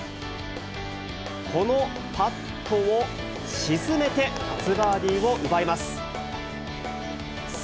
このパットを沈めて、初バーディーを奪います。